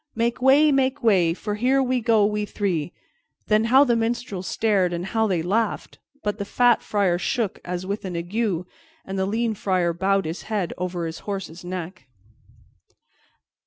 "Make way! make way! For here we go, we three!" Then how the minstrels stared, and how they laughed! But the fat Friar shook as with an ague, and the lean Friar bowed his head over his horse's neck.